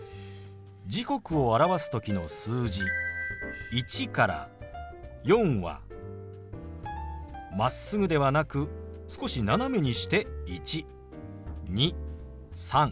時刻を表す時の数字１から４はまっすぐではなく少し斜めにして１２３４。